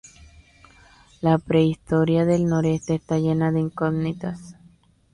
La prehistoria del noreste está llena de incógnitas.